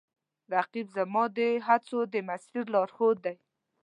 رقیب زما د هڅو د مسیر لارښود دی